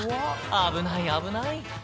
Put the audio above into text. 危ない、危ない。